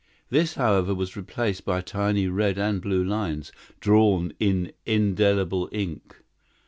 This, however, was replaced by tiny red and blue lines, drawn in indelible ink.